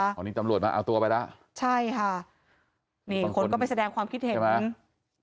ตอนนี้ตำรวจมาเอาตัวไปแล้วใช่ค่ะนี่คนก็ไปแสดงความคิดเห็น